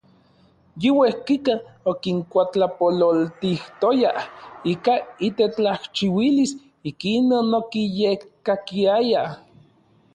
Yi uejkika okinkuatlapololtijtoya ika itetlajchiuilis, ikinon okiyekkakiayaj.